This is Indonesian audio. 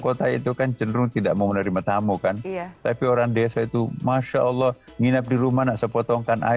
kota itu kan cenderung tidak mau menerima tamu kan tapi orang desa itu masya allah nginep di rumah nak sepotongkan air